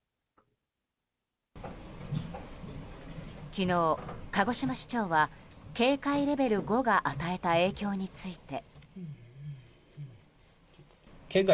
昨日、鹿児島市長は警戒レベル５が与えた影響について。